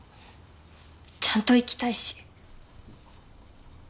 ちゃんと生きたいし。